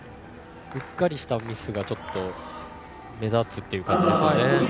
うっかりしたミスが目立つという感じですね。